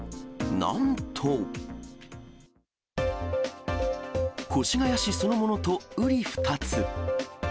なんと、越谷市そのものとうり二つ。